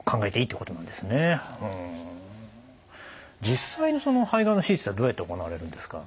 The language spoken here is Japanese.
実際の肺がんの手術っていうのはどうやって行われるんですか？